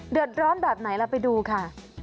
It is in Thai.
เดือดร้อนแบบไหนเราไปดูค่ะ